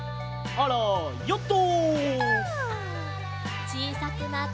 あらヨット！